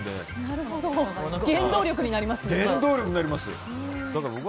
原動力になりますからね。